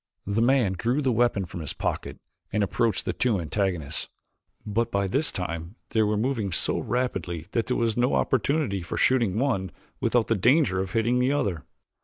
The man drew the weapon from his pocket and approached the two antagonists, but by this time they were moving so rapidly that there was no opportunity for shooting one without the danger of hitting the other.